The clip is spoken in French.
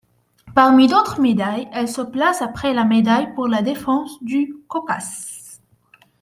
Parmi d'autres médailles elle se place après la médaille pour la défense du Caucase.